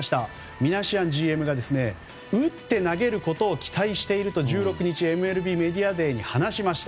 ミナシアンＧＭが打って投げることを期待していると１６日ＭＬＢメディアデーに話しました。